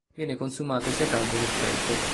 Viene consumato sia caldo che freddo.